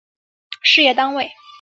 事业单位